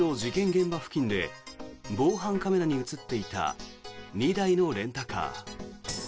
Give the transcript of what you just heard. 現場付近で防犯カメラに映っていた２台のレンタカー。